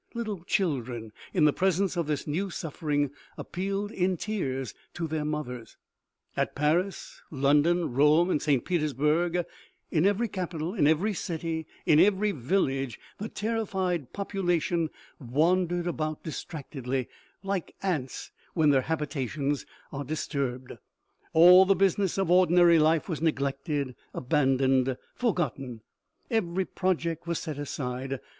Little children, in the presence of this new suffering, appealed in tears to their mothers. At Paris, London, Rome and St. Petersburg, in every capital, in every city, in every village, the terrified popu lation wandered about distractedly, like ants when their OMEGA . 171 " STRANGERS TO THE UNIVERSAL PANIC." habitations are disturbed. All the business of ordinary life was neglected, abandoned, forgotten ; every project was set aside.